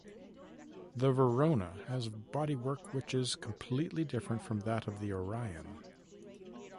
The Verona has bodywork which is completely different from that of the Orion.